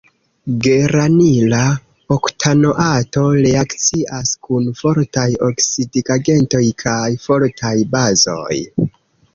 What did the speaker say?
Geranila oktanoato reakcias kun fortaj oksidigagentoj kaj fortaj bazoj.